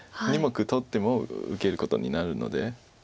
２目取っても受けることになるので。